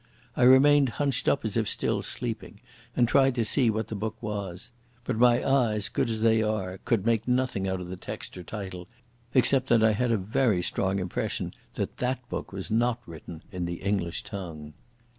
I remained hunched up as if still sleeping, and tried to see what the book was. But my eyes, good as they are, could make out nothing of the text or title, except that I had a very strong impression that that book was not written in the English tongue.